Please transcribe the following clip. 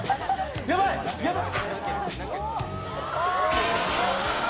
やばい、やばい。